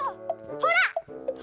ほら！